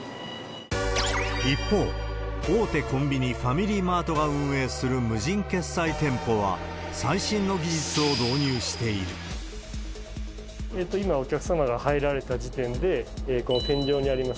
一方、大手コンビニ、ファミリーマートが運営する無人決済店舗は、最新の技術を導入し今、お客様が入られた時点で、この天井にあります